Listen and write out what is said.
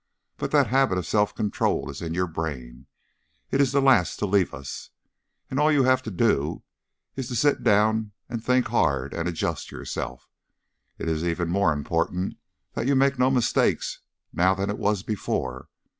But that habit of self control is in your brain, it is the last to leave us, and all you have to do is to sit down and think hard and adjust yourself. It is even more important that you make no mistakes now than it was before.